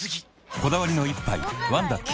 こだわりの一杯「ワンダ極」